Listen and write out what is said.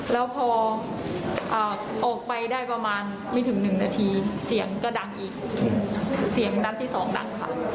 แล้วพอออกไปได้ประมาณไม่ถึงหนึ่งนาทีเสียงก็ดังอีกเสียงนัดที่สองนัดค่ะ